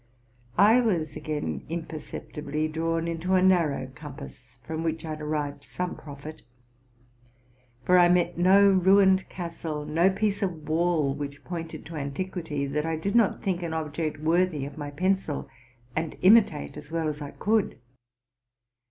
I was again imperceptibly drawn into a narrow compass, from which I derived some profit; for I met no ruined castle, no piece of wall which pointed to antiquity, that I did not think an object worthy of my pencil, and imitate as well as | could.